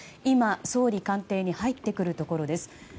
総理官邸に入ってくるところです。